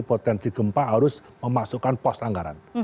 potensi gempa harus memasukkan pos anggaran